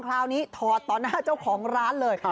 ถอดต่อหน้าเจ้าของร้านเลย